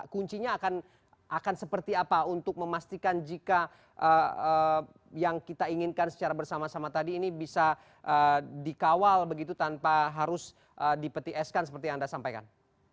kuncinya akan seperti apa untuk memastikan jika yang kita inginkan secara bersama sama tadi ini bisa dikawal begitu tanpa harus dipetieskan seperti yang anda sampaikan